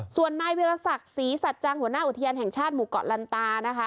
ส่วนนายวิรสักศรีสัจจังหัวหน้าอุทยานแห่งชาติหมู่เกาะลันตานะคะ